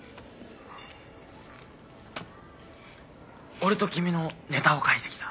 俺と君のネタを書いてきた。